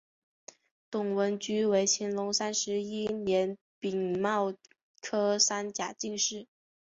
董文驹为乾隆三十一年丙戌科三甲进士。